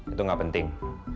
itu nggak penting